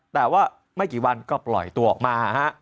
แต่ว่าไม่กี่วันก็ปล่อยตัวออกมาฮะ